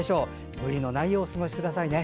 無理のないようお過ごしください。